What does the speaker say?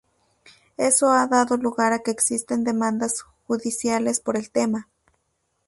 Eso ha dado lugar a que existan demandas judiciales por el tema